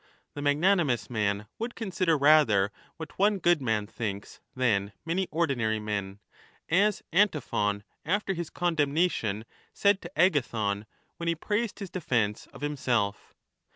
The magnanimous man would consider rather what one good man thinks than many ordinary men, as Antiphon after his condemnation said to Agathon when he praised his defence of himself.